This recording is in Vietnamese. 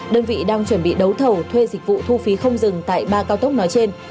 đơn vị đang chuẩn bị đấu thầu thuê dịch vụ thu phí không dừng tại ba cao tốc nói trên